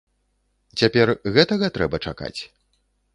Цяпер гэтага трэба чакаць?